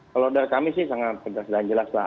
kalau dari kami sih sangat tegas dan jelas lah